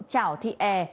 trảo thị e